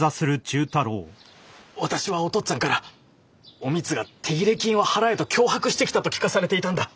私はお父っつぁんからお美津が「手切れ金を払え」と脅迫してきたと聞かされていたんだ。